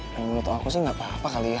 menurut aku sih gak apa apa kali ya